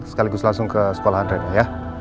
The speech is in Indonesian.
sekaligus langsung ke sekolahan rena ya